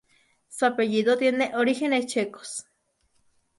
Su apellido tiene orígenes checos.